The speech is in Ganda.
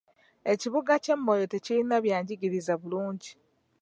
Ekibuga ky'e Moyo tekirina byanjigiriza bulungi.